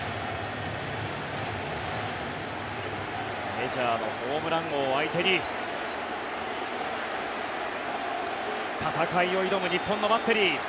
メジャーのホームラン王相手に戦いを挑む日本のバッテリー。